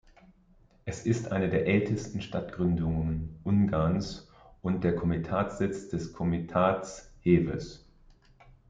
Es ist eine der ältesten Stadtgründungen Ungarns und der Komitatssitz des Komitats Heves.